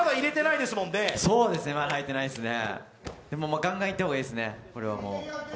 でもガンガンいった方がいいですね。